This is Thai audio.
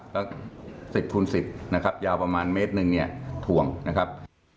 แล้วติดคูณ๑๐นะครับยาวประมาณเมตรหนึ่งเนี่ยถ่วงนะครับ